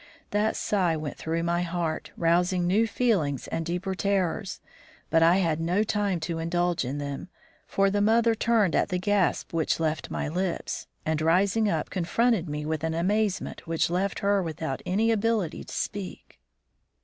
That sigh went through my heart, rousing new feelings and deeper terrors; but I had no time to indulge in them, for the mother turned at the gasp which left my lips, and rising up, confronted me with an amazement which left her without any ability to speak.